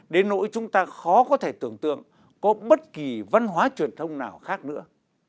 đến nỗi chúng ta khó có thể tưởng tượng có bất kỳ văn hóa truyền thông nào khác nữa